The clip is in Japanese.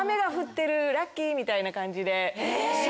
みたいな感じでシャ。